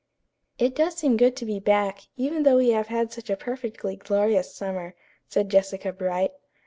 "It does seem good to be back, even though we have had such a perfectly glorious summer," said Jessica Bright.